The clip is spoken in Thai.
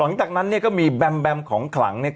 หลังจากนั้นเนี่ยก็มีแบมแบมของขลังเนี่ย